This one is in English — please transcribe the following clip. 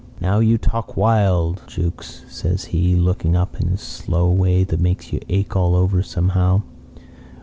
"'Now you talk wild, Jukes,' says he, looking up in his slow way that makes you ache all over, somehow.